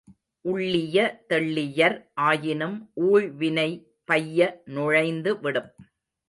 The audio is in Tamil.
உள்ளிய தெள்ளியர் ஆயினும் ஊழ்வினை பைய நுழைந்து விடும்.